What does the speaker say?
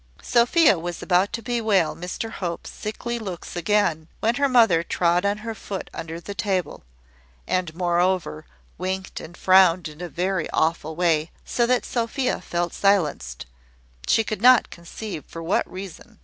Sophia was about to bewail Mr Hope's sickly looks again, when her mother trod on her foot under the table; and, moreover, winked and frowned in a very awful way, so that Sophia felt silenced, she could not conceive for what reason.